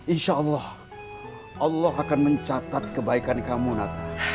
insya allah allah akan mencatat kebaikan kamu nata